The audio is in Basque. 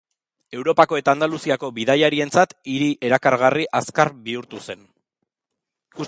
Europako eta Andaluziako bidaiarientzat hiri erakargarri azkar bihurtu zen.